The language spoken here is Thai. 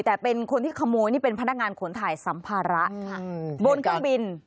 แต่เป็นคนที่ขโมยนี่เป็นพนักงานขนถ่ายสัมภาระบนเครื่องบิน